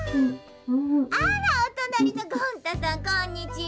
「あらおとなりのゴン太さんこんにちは。